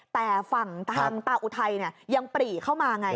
แต่ฝั่งทางตาอุทัยยังปรีเข้ามาไง